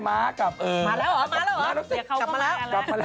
มาแล้วเหรอมาแล้วเหรอเดี๋ยวเขาก็มาแล้ว